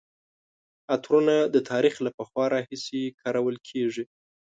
عطرونه د تاریخ له پخوا راهیسې کارول کیږي.